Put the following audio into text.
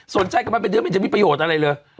สนใจกันมาเป็นเดือนไม่เห็นจะมีประโยชน์อะไรเลย